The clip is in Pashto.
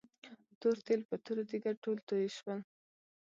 تور تیل په توره تيږه ټول توي شول.